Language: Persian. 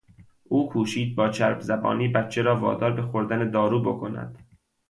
او کوشید با چرب زبانی بچه را وادار به خوردن دارو بکند.